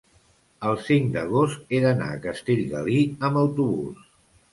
el cinc d'agost he d'anar a Castellgalí amb autobús.